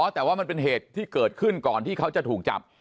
แต่ว่ามันเป็นเหตุที่เกิดขึ้นก่อนที่เขาจะถูกจับ